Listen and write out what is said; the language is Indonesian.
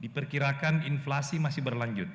diperkirakan inflasi masih berlanjut